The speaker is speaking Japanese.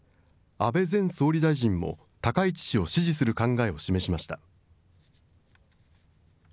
安倍前総理大臣も、高市氏を支持する考えを示しました。